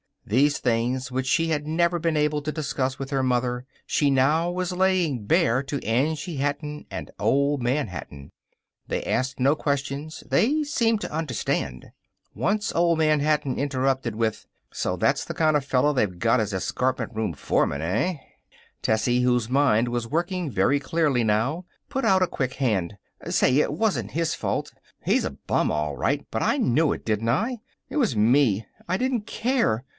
These things which she had never been able to discuss with her mother she now was laying bare to Angie Hatton and Old Man Hatton! They asked no questions. They seemed to understand. Once Old Man Hatton interrupted with: "So that's the kind of fellow they've got as escapement room foreman, eh?" Tessie, whose mind was working very clearly now, put out a quick hand. "Say, it wasn't his fault. He's a bum, all right, but I knew it, didn't I? It was me. I didn't care.